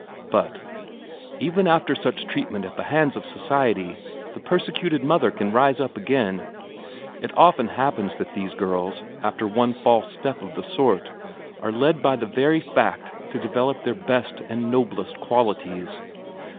"But even after such treatment at the hands of society, the persecuted mother can rise up again. It often happens that these girls, after one false step of the sort, are led by that very fact to develop their best and noblest qualities.